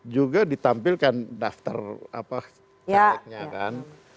juga ditampilkan daftar apa kandidatnya kan